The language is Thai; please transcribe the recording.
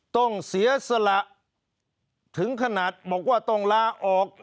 ต้องเสียสละถึงขนาดบอกว่าต้องลาออก